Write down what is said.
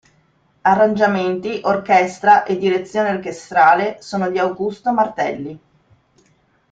Arrangiamenti, orchestra e direzione orchestrale sono di Augusto Martelli.